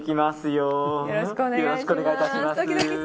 よろしくお願いします。